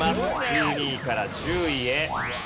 １２位から１０位へ。